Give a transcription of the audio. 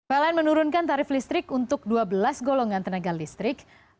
pln menurunkan tarif listrik untuk dua belas golongan tenaga listrik